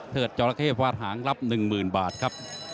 เทิดจราเข้ฝาดหางรับ๑๐๐๐๐บาทครับ